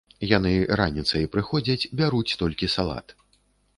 Яны раніцай прыходзяць, бяруць толькі салат.